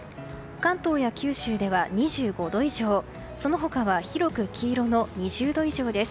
関東や九州では２５度以上その他は広く黄色の２０度以上です。